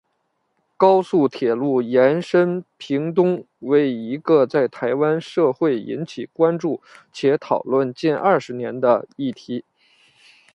高速铁路延伸屏东为一个在台湾社会引起关注且讨论近二十年的议题。